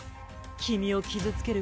君を傷つける